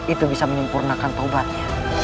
itu bisa menyempurnakan taubatnya